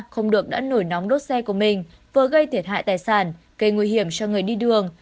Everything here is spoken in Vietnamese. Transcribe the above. không được đã nổi nóng đốt xe của mình vừa gây thiệt hại tài sản gây nguy hiểm cho người đi đường